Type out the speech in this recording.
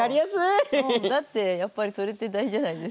だってやっぱりそれって大事じゃないですか。